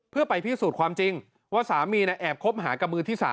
เพื่อไปพิสูจน์ความจริงว่าสามีแอบคบหากับมือที่๓